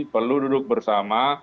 perlu duduk bersama